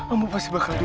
amu pasti bakal diobati